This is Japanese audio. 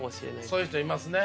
そういう人いますね。